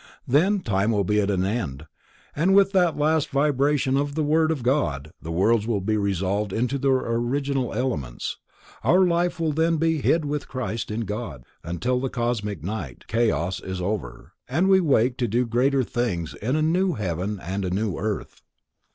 Then Time will be at an end, and with the last vibration of the Word of God, the worlds will be resolved into their original elements. Our life will then be "hid with Christ in God," till the Cosmic Night:—Chaos,—is over, and we wake to do "greater things" in a "new heaven and a new earth."